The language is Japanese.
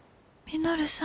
稔さん！